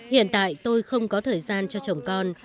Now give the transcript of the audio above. hiện tại tôi không có thời gian cho chồng con